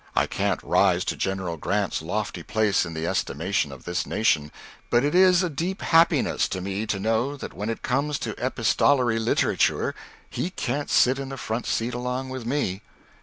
I can't rise to General Grant's lofty place in the estimation of this nation, but it is a deep happiness to me to know that when it comes to epistolary literature he can't sit in the front seat along with me.